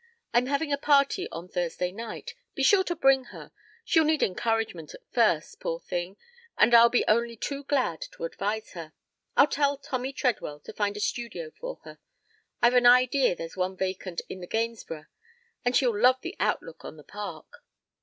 I'm having a party on Thursday night. Be sure to bring her. She'll need encouragement at first, poor thing, and I'll be only too glad to advise her. I'll tell Tommy Treadwell to find a studio for her. I've an idea there's one vacant in The Gainsborough, and she'd love the outlook on the Park.